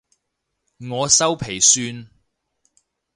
我修皮算